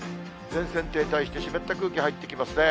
前線停滞して、湿った空気入ってきますね。